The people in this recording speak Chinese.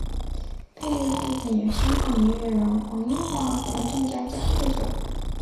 配乐部分由香港音乐人黄英华和郑嘉嘉制作。